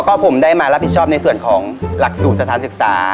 ก็ผมได้มารับผิดชอบในส่วนของหลักสูตรสถานศึกษา